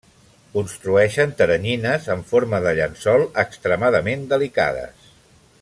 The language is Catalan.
Construeixen teranyines en forma de llençol extremadament delicades.